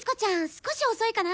少し遅いかな。